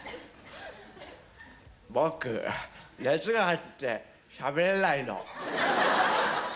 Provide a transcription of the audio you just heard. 「僕熱があってしゃべれないの」。